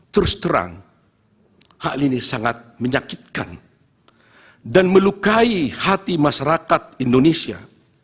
terus terang hal ini sangat menyakitkan dan melukai hati masyarakat indonesia